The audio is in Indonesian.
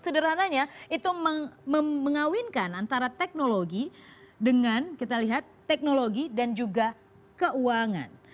sederhananya itu mengawinkan antara teknologi dengan kita lihat teknologi dan juga keuangan